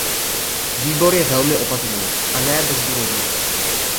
Výbor je velmi opatrný, a ne bezdůvodně.